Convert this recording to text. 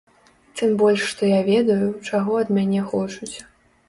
Тым больш што я ведаю, чаго ад мяне хочуць.